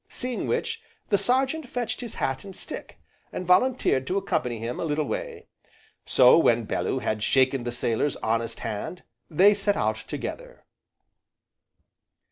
Seeing which, the Sergeant fetched his hat and stick, and volunteered to accompany him a little way. So when Bellew had shaken the sailor's honest hand, they set out together.